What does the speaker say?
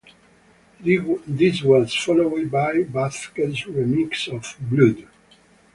This was followed by Vazquez's remix of "Blood".